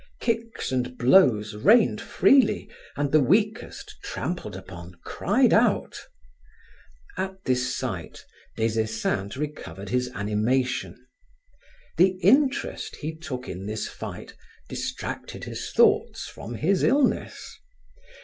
Kicks and blows rained freely, and the weakest, trampled upon, cried out. At this sight, Des Esseintes recovered his animation. The interest he took in this fight distracted his thoughts from his illness.